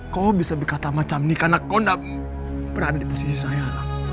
kau bisa berkata macam ini karena kau tidak berada di posisi saya alang